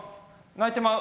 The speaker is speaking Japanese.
泣いてまう！